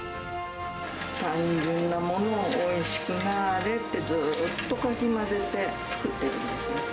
単純なものをおいしくなーれってずっとかき混ぜて作っているんです。